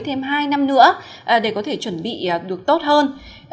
thêm hai năm nữa để có thể chuẩn bị được tốt hơn